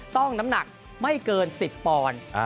ต้องน้ำหนักที่ไม่เกิน๑๐ปอน